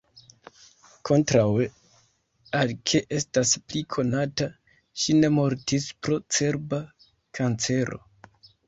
Kontraŭe al ke estas pli konata, ŝi ne mortis pro cerba kancero.